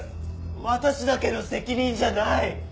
私だけの責任じゃない！